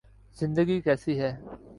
زندگی کیسی ہے